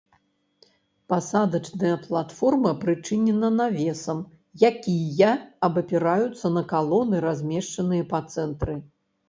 Пасадачная платформа прычынена навесам, якія абапіраюцца на калоны, размешчаныя па цэнтры.